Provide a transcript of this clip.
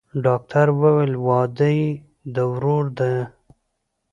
ډاکتر وويل واده يې د ورور دىه.